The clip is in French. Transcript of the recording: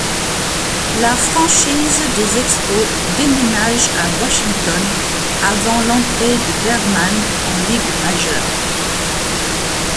La franchise des Expos déménage à Washington avant l'entrée de Bergmann en Ligue majeure.